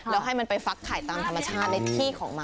แล้วให้มันไปฟักไข่ตามธรรมชาติในที่ของมัน